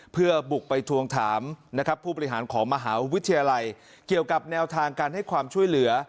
เพื่อบุกไปทวงถามนะครับผู้บริหารของมหาวิทยาลัยเกี่ยวกับแนวทางการให้ความช่วยเหลือ